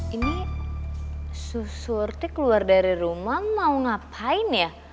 ini susu surti keluar dari rumah mau ngapain ya